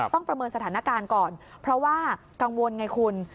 ประเมินสถานการณ์ก่อนเพราะว่ากังวลไงคุณ